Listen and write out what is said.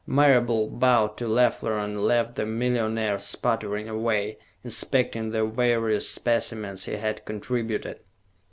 Marable bowed to Leffler and left the millionaire sputtering away, inspecting the various specimens he had contributed.